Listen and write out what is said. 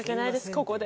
ここで。